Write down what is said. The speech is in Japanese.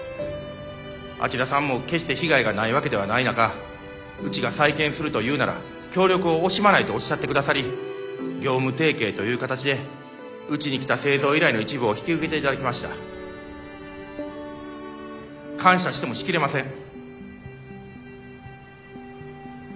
あちらさんも決して被害がないわけではない中うちが再建すると言うなら協力を惜しまないとおっしゃってくださり業務提携という形でうちに来た製造依頼の一部を引き受けていただきました。感謝してもし切れません。